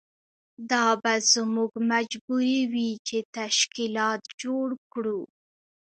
دا به زموږ مجبوري وي چې تشکیلات جوړ کړو.